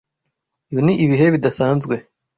Uyu ni ibihe bidasanzwe.